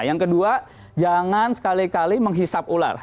yang kedua jangan sekali kali menghisap ular